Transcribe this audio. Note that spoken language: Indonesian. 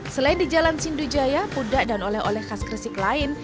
selain di jalan sindujaya puda dan oleh oleh khas gersik lain